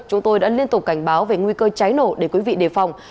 chúng tôi đã liên tục cảnh báo về nguy cơ cháy nổ để quý vị đề phòng